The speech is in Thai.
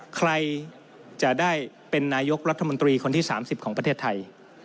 ใครจะได้เป็นนายกรัฐมนตรีคนที่๓๐ของประเทศไทย